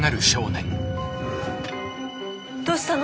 どうしたの？